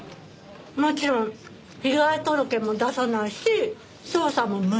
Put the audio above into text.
もちろん被害届も出さないし捜査も無用ですって！